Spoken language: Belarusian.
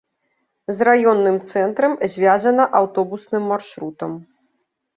З раённым цэнтрам звязана аўтобусным маршрутам.